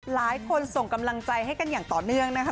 ส่งกำลังใจให้กันอย่างต่อเนื่องนะคะ